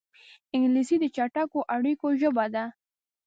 انګلیسي د چټکو اړیکو ژبه ده